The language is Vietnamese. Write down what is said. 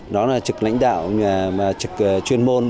đó là trực lãnh đạo trực chuyên môn